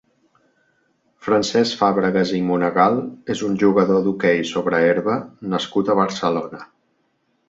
Francesc Fàbregas i Monegal és un jugador d'hoquei sobre herba nascut a Barcelona.